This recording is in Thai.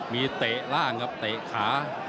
มีเตะล่างครับเตะขา